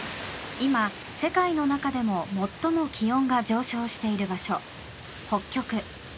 今、世界の中でも最も気温が上昇している場所、北極。